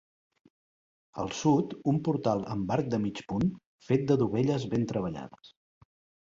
Al sud, un portal amb arc de mig punt fet de dovelles ben treballades.